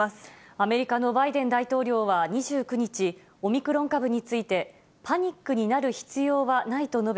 アメリカのバイデン大統領は２９日、オミクロン株について、パニックになる必要はないと述べ、